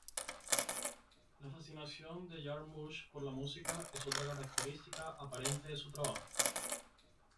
La fascinación de Jarmusch por la música es otra característica aparente de su trabajo.